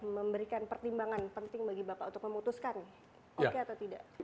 memberikan pertimbangan penting bagi bapak untuk memutuskan oke atau tidak